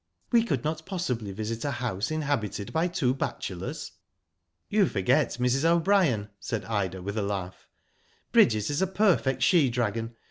We could not possibly visit a house inhabited by two bachelors." *'You forget Mrs. O'Brien," said Ida, with a laugh. " Bridget is a perfect she dragon.